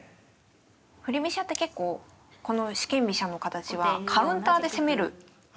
振り飛車って結構この四間飛車の形はカウンターで攻める。